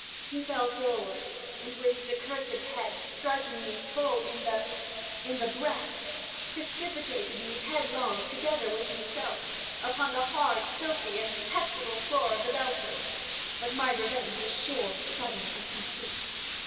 He fell forward, and, with his accursed head, striking me full in the—in the breast, precipitated me headlong, together with himself, upon the hard, filthy, and detestable floor of the belfry. But my revenge was sure, sudden, and complete.